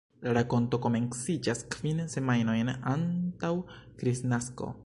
La rakonto komenciĝas kvin semajnojn antaŭ Kristnasko.